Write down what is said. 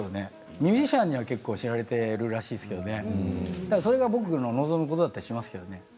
ミュージシャンには知られているらしいですけどねそれが僕の望むことだったりしますけどね。